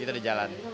itu di jalan